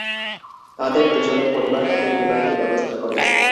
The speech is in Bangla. তাদের দুজনের পরিবার তাদের বিবাহের ব্যবস্থা করে।